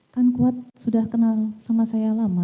kan kuat sudah kenal sama saya lama